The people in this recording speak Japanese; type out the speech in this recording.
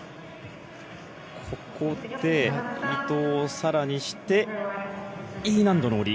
ここで移動を更にしてＥ難度の下り。